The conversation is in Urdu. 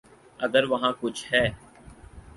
اگر وہاں کچھ ہے۔